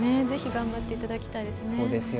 ぜひ頑張っていただきたいです。